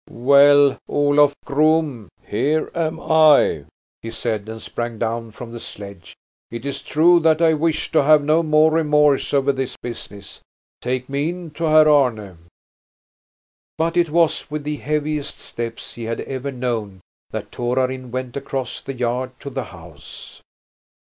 "Well, Olof groom, here am I!" he said, and sprang down from the sledge. "It is true that I wish to have no more remorse over this business. Take me in to Herr Arne!" But it was with the heaviest steps he had ever known that Torarin went across the yard to the house.